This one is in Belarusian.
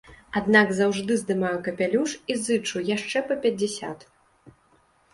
Аднак заўжды здымаю капялюш і зычу яшчэ па пяцьдзясят!